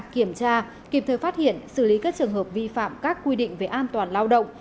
kiểm tra kịp thời phát hiện xử lý các trường hợp vi phạm các quy định về an toàn lao động